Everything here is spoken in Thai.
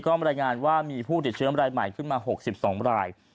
ก็บรรยายงานว่ามีผู้ติดเชื้อรายใหม่ขึ้นมา๖๒ราย